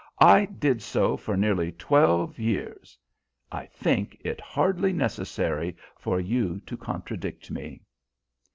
I did so for nearly twelve years. I think it hardly necessary for you to contradict me."